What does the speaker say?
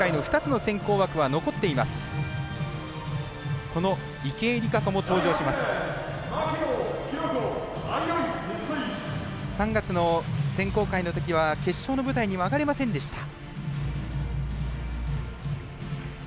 牧野は３月の選考会のときは決勝の舞台には上がれませんでした。